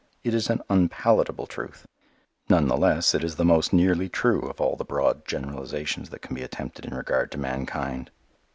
It is an unpalatable truth. None the less it is the most nearly true of all the broad generalizations that can be attempted in regard to mankind.